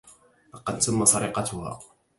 لقد تم سرقتها.